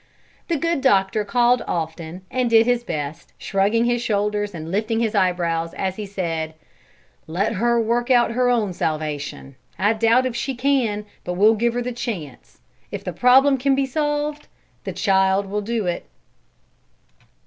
The good doctor called often and did his best, shrugging his shoulders and lifting his eyebrows as he said: "Let her work out her own salvation. I doubt if she can, but we'll give her the chance. If the problem can be solved, the child will do it."